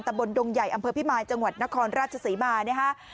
บนดงใหญ่อำเภอพิมายจังหวัดนครราชศรีมานะฮะ